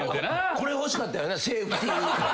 これ欲しかったよなセーフティーバー。